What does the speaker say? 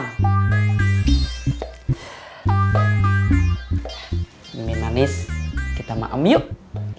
mimin manis kita ma'am yuk